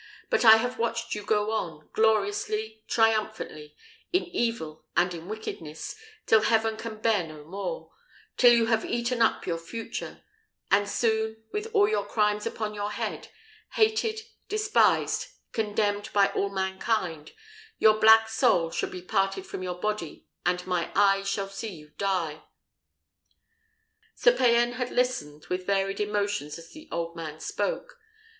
But I have watched you go on, gloriously, triumphantly, in evil and in wickedness, till heaven can bear no more; till you have eaten up your future; and soon, with all your crimes upon your head, hated, despised, condemned by all mankind, your black soul shall be parted from your body, and my eyes shall see you die." Sir Payan had listened with varied emotions as the old man spoke.